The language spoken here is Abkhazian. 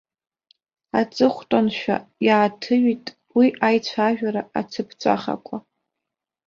Аҵыхәтәаншәа иааҭыҩит уи аицәажәара ацыԥҵәахақәа.